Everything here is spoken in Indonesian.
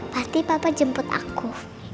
pasti papa jemput aku